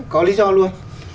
có lý do luôn